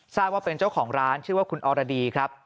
ทราบว่าเป็นเจ้าของร้านชื่อว่าคุณอรดีครับ